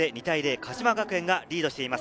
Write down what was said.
鹿島学園がリードしています。